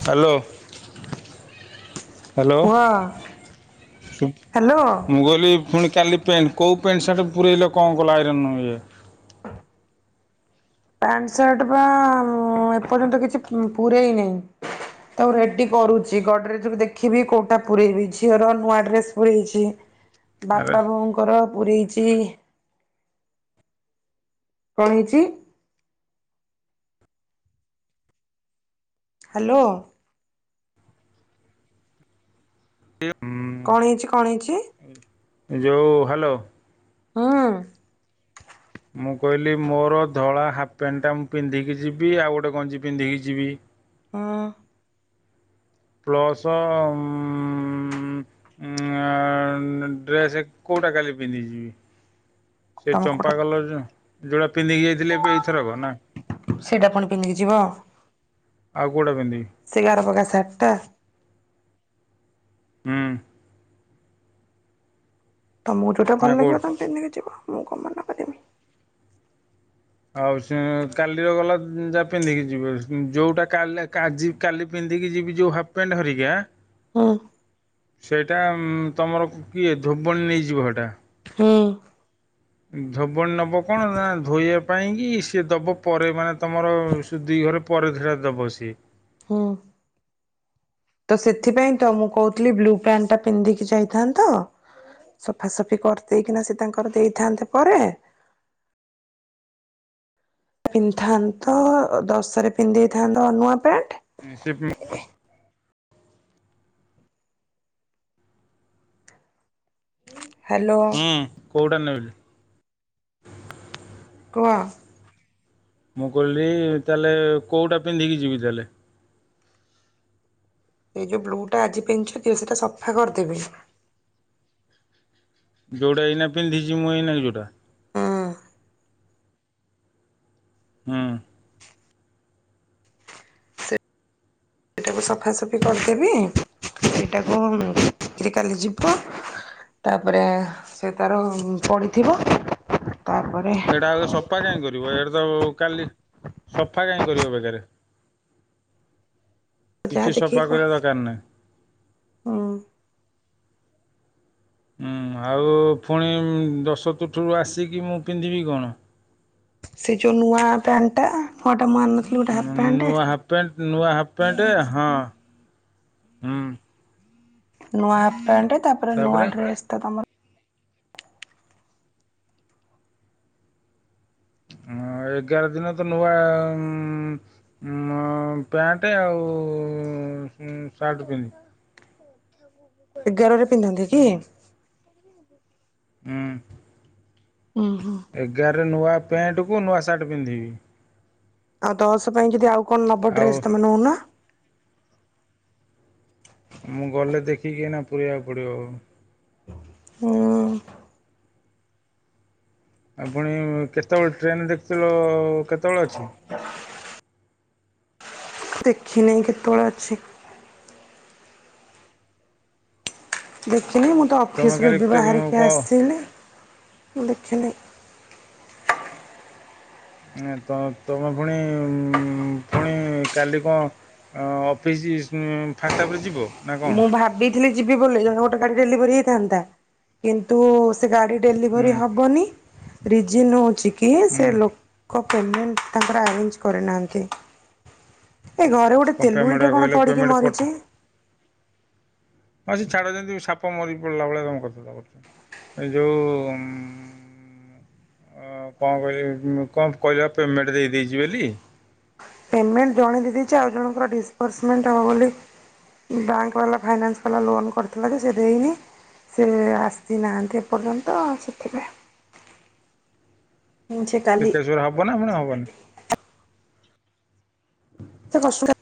Hello. Hello କୁହ ସୁ hello ମୁଁ କହିଲି ପୁଣି କାଲି ପ୍ୟାଣ୍ଟ କେଉଁ ପ୍ୟାଣ୍ଟ ସାର୍ଟ ପୁରେଇଲ? କଣ କଲ ଆଇରନ୍ ଇଏ? ପ୍ୟାଣ୍ଟ ସାର୍ଟ ବା ଏପର୍ଯ୍ୟନ୍ତ କିଛି ପୂରେଇ ନେଇଁ। ତ ରେଡି କରୁଛି, ଗଡରେଜ ଦେଖିବି କୋଉଟା ପୁରରେଇବି, ଝିଅର ନୂଆ ଡ୍ରେସ ପୁରେଇଛି। ହ [unintelligible] ବାପା ବୋଉଙ୍କର ପୁରେଇଚି କଣ ହେଇଛି? ହାଲୋ। ଏ ଉଁ କଣ ହେଇଛି କଣ ହେଇଛ? ଯଉ ହ୍ୟାଲୋ ହୁଁ। ମୁଁ କହିଲି ମୋର ଧଳା ହାଫ୍ ପ୍ୟାଣ୍ଟଟା ମୁଁ ପିନ୍ଧିକି ଯିବି ଆଉ ଗୋଟେ ଗଞ୍ଜି ପିନ୍ଧିକି ଯିବି ହୁଁ। ପ୍ଲସ ଉଁ ଉଁ ଉଁ ଡ୍ରେସ୍ କୋଉଟା କାଲି ପିନ୍ଧି ଯିବି ସେ ତମେ କୋଉଟା ଚମ୍ପା କଲର ଯ ଯୋଟା ପିନ୍ଧି ଯାଇ ଏବେ ଏଇଥରକ ନା ସେଇଟା ପୁଣି ପିନ୍ଧିକି ଯିବ ଆଉ କୋଉଟା ପିନ୍ଧିବି? ସେଇ ଗାର ପକା ସାଟ୍ ଟା? ହୁଁ। ତମକୁ ଯୋଉଟା ନା ଭଲ କୋଉ ଲାଗିବ ତମେ ପିନ୍ଧି କି ଯିବ ମୁଁ କଣ ମନା କରିବି। ଆଉ ସେ କାଲିର ଗଲା ଯାହା ପିନ୍ଧିକି ଯିବେ ଯଉଟା କାଲି ଆଜି କାଲି ପିନ୍ଧିକି ଯିବି ଯୋଉ ହାପ୍ ପ୍ୟାଣ୍ଟ ହରିକା ହୁଁ ସେଇଟା ତମର କିଏ ଧୋବଣୀ ନେଇଯିବ ସେଇଟା? ହୁଁ। ଧୋବଣୀ ନବ କଣ ନା ଧୋଇଆ ପାଇଁକି ସିଏ ଦବ ପରେ ମାନେ ତମର ସେ ଦି ଘରେ ପରେଥିରା ଦବ ସିଏ। ହୁଁ। ତ ସେଥିପାଇଁ ତ ମୁଁ କହୁଥିଲି ବ୍ଲୁ ପ୍ୟାଣ୍ଟ ଟା ପିନ୍ଧିକି ଯାଇଥାନ୍ତ ସଫାସଫି କରିଦେଇକିନା ସେ ତାଙ୍କର ଦେଇଥାନ୍ତେ ପରେ ପିନ୍ଧିଥାନ୍ତ, ଦଶରେ ପିନ୍ଧିଦେଇଥାନ୍ତ ନୂଆ ପ୍ୟାଣ୍ଟ ସେଫ ହ୍ୟାଲୋ ହୁଁ କୋଉଟା ନେବି? କୁହ। ମୁଁ କହିଲି ତାହେଲେ କୋଉଟା ପିନ୍ଧିକି ଯିବି ତାହେଲେ? ସେଇ ଯୋଉ ବ୍ଲୁ ଟା ଆଜି ପିନ୍ଧିଚ ସେଇଟା ସଫା କରିଦେବି। ଯୋଉଟା ଏଇନା ପିନ୍ଧିଚି ମୁଁ ଏଇନା ଯୋଉଟା। ହୁଁ। ସେଇଟାକୁ ସଫାସଫି କରିଦେବି ଏଇଟାକୁ [unintelligible] କାଲି ଯିବ। ତାପରେ ସେ ତାର ପଡିଥିବ ତାପରେ ସେଇଟା ଆଗ ସଫା କାଇଁ କରିବ ଏଇଟା ତ କାଲି ସଫା କାଇଁ କରିବ ବେକାରେ? ଯାହା କିଛି ଦେଖିକି ସଫା କହ କରିଆ ଦରକାର ନାହିଁ। ହୁଁ। ହୁଁ, ଆଉ ଫୁଣି ଦଶ ତୁଠୁରୁ ଆସିକି ମୁଁ ପିନ୍ଧିବି କଣ? ସେ ଯୋଉ ନୂଆ ପ୍ୟାଣ୍ଟ ଟା ହଁ ଏଇଟା ମୁଁ ଆଣିନଥିଲି ଗୋଟେ ହାଫ୍ ପ୍ୟାଣ୍ଟ। ନୂଆ ହାଫ୍ ପ୍ୟାଣ୍ଟ, ନୂଆ ହାଫ୍ ପ୍ୟାଣ୍ଟ ହଁ ହୁଁ। ନୂଆ ହାଫ୍ ପ୍ୟାଣ୍ଟ, ତାପରେ ନୂଆ ଡ୍ରେସ ଟା ତମର। ହଁ ଏଗାର ଦିନ ତ ନୂଆ ଉଁ ମ ପ୍ୟାଣ୍ଟ୍ ଆଉ ସାର୍ଟ ପିନ୍ଧି ଏଗାରରେ ପିନ୍ଧନ୍ତି କି? ଯାଉନୁ ହୁଁ। ଉଁ ହୁଁ। ଏଗାରରେ ନୂଆ ପ୍ୟାଣ୍ଟକୁ ନୂଆ ସାର୍ଟ ପିନ୍ଧିବି। ଆଉ ଦଶ ପାଇଁ ଯଦି ଆଉ କଣ ନବ ଆଉ ଡ୍ରେସ ତମେ ନଉନ। ମୁଁ ଗଲେ ଦେଖିକି ଏଇନା ପୁରେଇଆକୁ ପଡ଼ିବ ଆଉ। ହୁଁ। ଆ ପୁଣି କେତବଳେ ଟ୍ରେନ୍ ଦେଖୀଥିଲ କେତବଳେ ଅଛି? ଦେଖିନେଇ କେତବଳେ ଅଛି। ଦେଖିନି ମୁଁ ତ ତମେ ଅଫିସରୁୁ କାଲି ଏବେ ବାହାରିକି କଣ ଆସିଥିଲି ମୁଁ ଦେଖିନି। ଆ ତ ତମେ ଫୁଣି ଉଁ ଫୁଣି କାଲି କଣ ଅ ଅଫିସି ସ୍ ଫାଷ୍ଟହାଫ୍ ରେ ଯିବ? ନା କ'ଣ ମୁଁ ଭାବିଥିଲି ଯିବି ବୋଲି ଜଣେ ଗୋଟେ ଗାଡ଼ି ଡେଲିଭରି ହେଇଥାନ୍ତା କିନ୍ତ ତୁ ସେ ଗାଡ଼ି ହୁଁ ଡେଲିଭରି ହବନି, ରିଜିନ୍ ହଉଚି କି ସେ ହୁଁ ଲୋକ ଲୋକ ପେମେଣ୍ଟ ତାଙ୍କର ଆରେଞ୍ଜ କରିନାହାନ୍ତି, ଏ ଘରେ ଗୋଟେ ଗୋଟେ କ'ଣ ତେଲୁଣୀ ପେମେଣ୍ଟ ଟେ କଣ କହିଲ ପଡିକି ପେମେଣ୍ଟ ପଠା ମରିଚି? ହଁ ସେ ଛାଡ଼ ଯେମିତି ସାପ ମରିକି ପଡ଼ିଲା ଭଳିଆ ତମେ କଥା ବାର୍ତ୍ତା କରୁଚ। ଯୋଉ ଉଁ ହଁ କଣ କହିଲେ କଣ କହିଲେ ପା ପେମେଣ୍ଟ ଦେଇଛି ବେଲି। ପେମେଣ୍ଟ ଜଣେ ଦେଇ, ଆଉ ଜଣଙ୍କର ଡିସବର୍ସମେଣ୍ଟ୍ ହେବ ବୋଲି ବ୍ୟାଙ୍କ ବାଲା, ଫାଇନାନ୍ସ ବାଲା ଲୋନ୍ କରିଥିଲା ଯେ ସେ ଦେଇନି। ସେ ଆସିନାହାନ୍ତି ଏପର୍ଯ୍ୟନ୍ତ ସେଥିପାଇଁ। ସେ [inaudible] ହବ ନା ପୁଣି ହବନି? [inaudible] ମୋତେ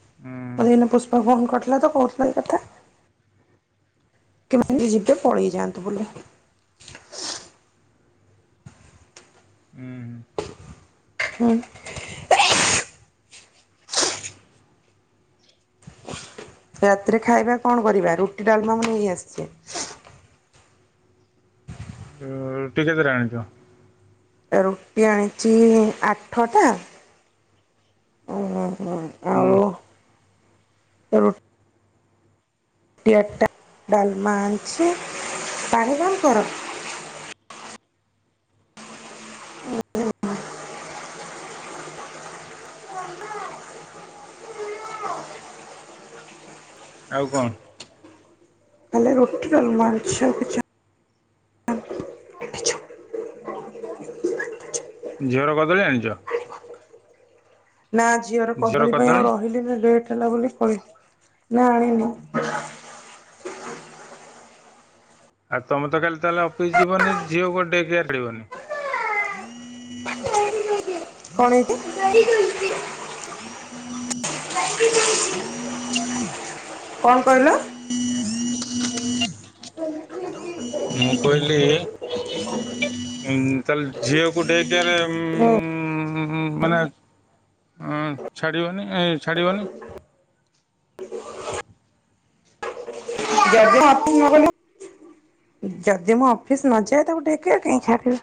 ଏଇନା ପୁଷ୍ପା ଫୋନ କରିଥିଲା ତ କହୁଥିଲା ଏଇ କଥା। କେମିତି ଯିବେ, ପଳେଇ ଯାଆନ୍ତୁ ବୋଲି। ହୁଁ ହୁଁ। ହୁଁ। [unintelligible] ରାତିରେ ଖାଇବା କଣ କରିବା? ରୁଟି ଡାଲମା ମୁ ନେଇ ଆସିଛି। ଅ ରୁଟି କେତେଟା ଆଣିଛ? ରୁଟି ଆଣିଛି ଆଠଟା, ଓ ହୁଁ ଆଉ ରୁଟି ରୁଟି ଆଠଟା, ଡାଲମା ଆଣିଛି, ପାଣି ବନ୍ଦ କର। [unintelligible] ଆଉ କଣ? ଖାଲି ରୁଟି ଡାଲମା ଆଣିଛି ଆଉ କିଛି ଆଣିଛୁ ଝିଅର କଦଳୀ ଆଣିଛ? ନା ଝିଅର କଦଳୀ ପାଇଁ ଆଉ ରହିଲିନି ଲେଟ୍ ହେଲା ବୋଲି ପଳେଇଲି ନା ଆଣିନି। ଆଉ ତମେ ତ କାଲି ତାହେଲେ ଅଫିସ୍ ଯିବନି ଝିଅକୁ ଡେରିରେ ଆଣିବନି। କଣ ହେଇଛି [inaudible] [unintelligible] [unintelligible] କଣ କହିଲ? [unintelligible] ମୁଁ କହିଲି ଉ ତାହଲେ ଝିଅକୁ ଡେରିଟରେ ଉଁ [unintelligible] ହଁ ମାନେ ଅ ଛାଡ଼ିବନି ଏ ଛାଡ଼ିବନି [unintelligible] ଯଦି ମୁଁ ଅଫିସ ନଯାଏ ତାକୁ ଗୋଟେ ଏକେଲା କାହିଁ ଛାଡ଼ିବି।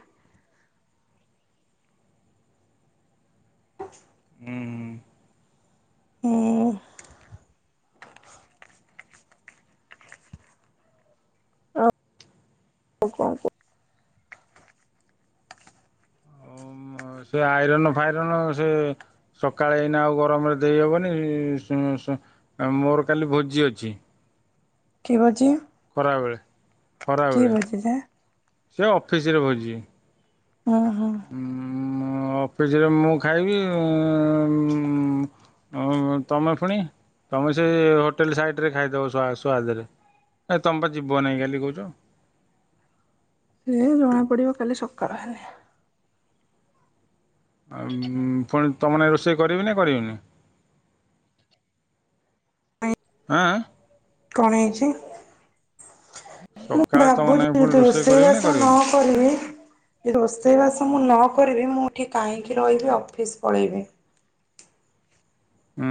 ହୁଁ ଆଉ କଣ କୁହ ହ ସେ ଆଇରନ୍ ଫାଇରନ୍ ସେ ସକାଳେ ଏଇନା ଆଉ ଗରମରେ ଦେଇହେବନି ସୁ ଶୁ ମୋର କାଲି ଭୋଜି ଅଛି। କି ଭୋଜି? ଖରାବେଳେ ଖରାବେଳେ ବାଜିଲା ସିଏ ଅଫିସରେ ଭୋଜି। ହଁ ହଁ। ଉଁ ମୁ ଅଫିସରେ ମୁଁ ଖାଇବି ଉଁ ହଁ ତମେ ପୁଣି ତମେ ସେ ହୋଟେଲ ସାଇଟରେ ଖାଇଦେବ ସୁଆ-ସୁଆଦରେ। ଏ ତମେ ପା ଯିବ ନାଇଁ କାଲି କହୁଛ। ହେ ଜଣା ପଡିବ କାଲି ସକାଳ ହେଲେ। ଆଉ ପୁଣି ତମନାଗି ରୋଷେଇ କରିବି ନା କରିବିନି? ହାଁ ହାଁ। କଣ ହେଇଛି ମୁଁ ସକାଳେ ତୁମ ନାଗି ଭାବୁଛି ପୁଣି ଯଦି ରୋଷେଇ କରିବି ନା ବାସ ନ କରିବିନି କରିବି। ଯଦି ରୋଷେଇବାସ ମୁଁ ନ କରିବି, ମୁଁଠି କାହିଁକି ରହିବି। ଅଫିସ ପଳେଇବି। ହୁଁ।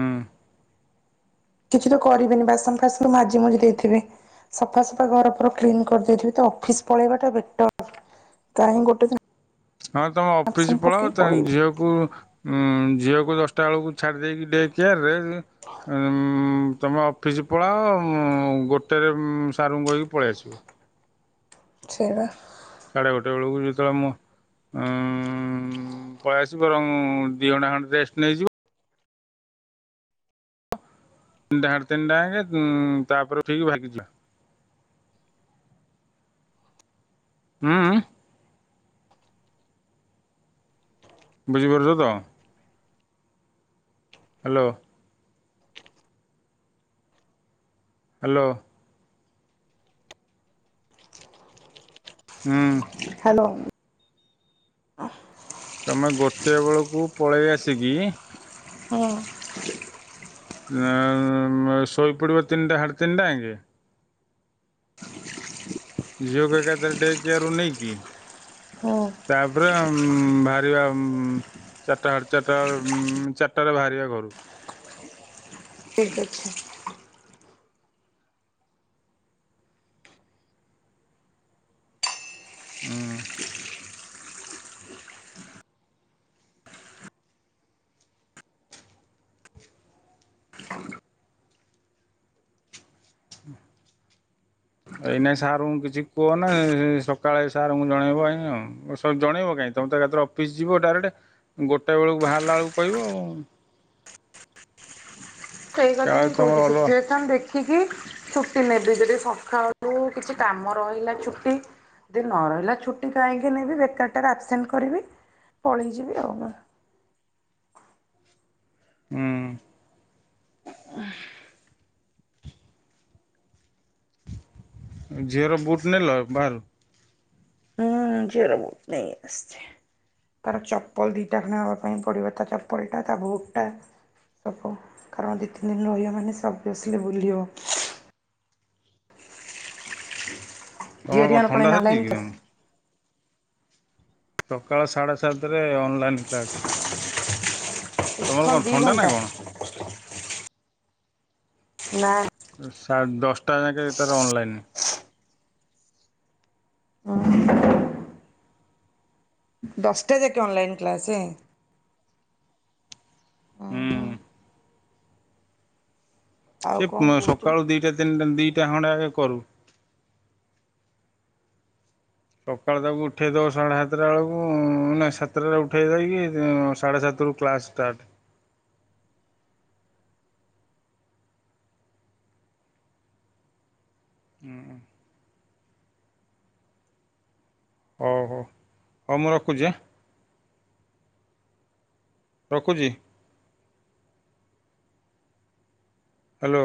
କିଛି ତ କରିବେନି ବାସନ୍ ଫାସନ୍ ମାଜି ମଜି ଦେଇଥିବେ। ସଫା ସଫା ଘର ପ କ୍ଲିନ କରିଦେଇଥିବି। ତ ଅଫିସ ପଳେଇବା ଟା ବେଟର। କାହିଁ ଗୋଟେ ଦିନ ହଁ ତମ ଅଫିସ ଆବସେଣ୍ଟ ପଳାଅ, ପକେଇ ତାଙ୍କ ପଳେଇବି ଝିଅକୁ ଉ ଝିଅକୁ ଦଶଟା ବେଳକୁ ଛାଡି ଦେଇକି ଡେ କିଆର୍ ରେ ତମ ଫିଜ୍ ପଳାଅ। ଗୋଟେରେ ସାର୍ ଙ୍କୁ କହିକି ପଳେଇ ଆସିବ। ଛେଇ ବା ସାଢେ ଗୋଟେ ବେଳକୁ, ଯେତେବେଳେ ମୁଁ ପଳେଇ ଆସିବ ବରଂ ଦିଇ ଘଣ୍ଟା ଖଣ୍ଟେ ରେଷ୍ଟ ନେଇଯିବ। ଡାଡେ ତିନିଟା ଯାଙ୍କେ, ତାପରେ ଉଠିକି ଭାଗି ଯିବ। ହୁଁ ହୁଁ। ବୁଝିପାରୁଛ ତ। ହ୍ୟାଲୋ। ହ୍ୟାଲୋ। ହୁଁ। ହ୍ୟାଲୋ। ତମେ ଗୋଟିଏ ବେଳକୁ ପଳେଇ ଆସିକି ହଁ। ଶୋଇପଡ଼ିବ ତିନିଟା ସାଢ଼େ ତିନିଟା ଆଜ୍ଞେ। ଝିଅକୁ ଏକାଥରକେ ଡେ କେୟାର ରୁ ନେଇ କି ହଁ। ତାପରେ ବାହାରିବା ଚାରିଟାଡ଼େ ଚାରିଟା, ଚାରିଟାରେ ବାହାରିବା ଘରୁକୁ। ଠିକ୍ ଅଛି। ଉଁ। ଏଇ ନାଇ ସାର୍ ଙ୍କୁ କିଛି କୁହ ନା। ସକାଳେ ସାର୍ ଙ୍କୁ ଜଣେଇବ ଆଉଁ ଆଉ। ଜଣେଇବ କାହିଁକ? ତମେ ତା ଏକରେ ଅଫିସ୍ ଯିବ ଡାଇରେକ୍ଟ, ଗୋଟା ବେଳକୁ ବାହାରିଲା ବେଳକୁ କହିବ ଆଉ। ସେଇ କଥା କାଳେ ହିଁ ତମର କହୁଛି, ଅଲଗା ସିଚୁଏସନ ଦେଖି ଦେଖିକି ଛୁଟି ନେବି। ଯଦି ସକାଳୁ କିଛି କାମ ରହିଲା ଛୁଟି ଦି ନ ରହିଲା ଛୁଟି କାହିଁକି ନେବି, ବେକାର ଟା ଆବସେଣ୍ଟ କରିବି, ପଳେଇ ଯିବି ଆଉ। ହୁଁ। ଝିଅର ବୁଟ୍ ନେଲ ବାହାରୁ। ହୁଁ ଝିଅର ବୋଟ୍ ନେଇ ଆସଚି। ତାର ଚପଲ ଦିଟା ଖାନା ହବା ପାଇଁ ପଡିବ ତା ଚପଲ ଟା ତା ବୁଟ୍ ଟା ସବୁ କାରଣ ଦୁଇ ତିନି ଦିନ ରହିବ ମାନେ ସେ ସବୁସିଲି ବୁଲିବ। ତମର କଣ ଥଣ୍ଡା ଧରିଛି କି [unintelligible] ତମକୁ ସକାଳ ସାଢ଼େ ସାତରେ ଅନଲାଇନ୍ କ୍ଲାସ୍। ତୁମର କଣ ଦି ଥଣ୍ଡା ନା ଘଣ୍ଟା କଣ? ନା। ସାଢ଼େ ଦଶଟା ଯାକେ ଏ ତାର ଅନଲାଇନ୍। ହଁ। ଦଶଟା ଯାକେ ଅନଲାଇନ୍ କ୍ଲାସେ। ହୁଁ। ଆଉ କଣ ସେି କହୁଛୁ ସକାଳୁ ଦିଟା ତିନିଟା ଦିଟା ଖଣ୍ଡେଗ କରୁ। ସକାଳ ତାକୁ ଉଠେଇଦବ ସାଢ଼େ ସାତଟା ବେଳକୁ ନା ସାତଟାଟା ଉଠେଇ ଦେଇକି ସାଢ଼େ ସାତରୁ। କ୍ଲାସ୍ଷ୍ଟାର୍ଟ ହୁଁ। ହଉ ହଉ ହଉ ମୁଁ ରଖୁଛି। ରଖୁଛି। ହ୍ୟାଲୋ?